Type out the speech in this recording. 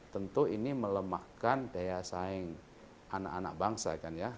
tentu ini melemahkan daya saing anak anak bangsa kan ya